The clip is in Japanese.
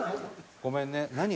ごめんね。